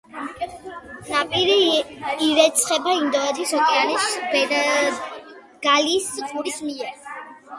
ნაპირი ირეცხება ინდოეთის ოკეანის ბენგალიის ყურის მიერ.